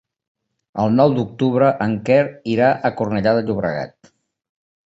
El nou d'octubre en Quer irà a Cornellà de Llobregat.